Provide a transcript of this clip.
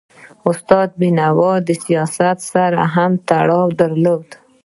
استاد بینوا د سیاست سره هم تړاو درلود.